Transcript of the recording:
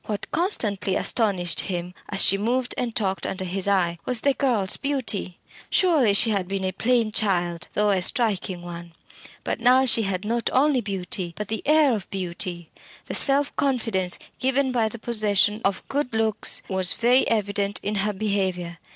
What constantly astonished him, as she moved and talked under his eye, was the girl's beauty. Surely she had been a plain child, though a striking one. But now she had not only beauty, but the air of beauty. The self confidence given by the possession of good looks was very evident in her behaviour.